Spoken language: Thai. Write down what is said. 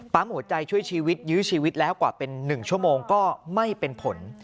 หัวใจช่วยชีวิตยื้อชีวิตแล้วกว่าเป็น๑ชั่วโมงก็ไม่เป็นผล